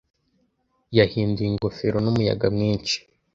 Yahinduye ingofero n'umuyaga mwinshi.